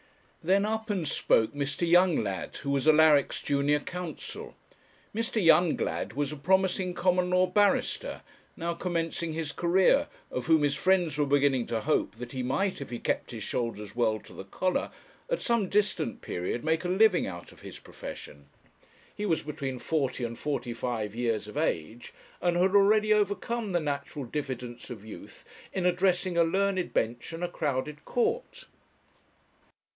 Then up and spoke Mr. Younglad, who was Alaric's junior counsel. Mr. Younglad was a promising common law barrister, now commencing his career, of whom his friends were beginning to hope that he might, if he kept his shoulders well to the collar, at some distant period make a living out of his profession. He was between forty and forty five years of age, and had already overcome the natural diffidence of youth in addressing a learned bench and a crowded court.